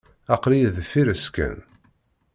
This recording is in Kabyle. Aql-iyi deffir-s kan.